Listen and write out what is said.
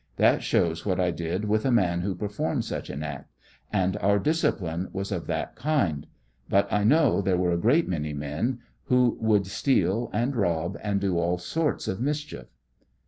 That shows what I did with a man who performed such an act ; and our discipline was of that kind ; but I know there were a great many men who would steal and rob and do all sorts of mischief.